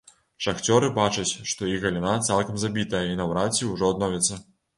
Шахцёры бачаць, што іх галіна цалкам забітая і наўрад ці ўжо адновіцца.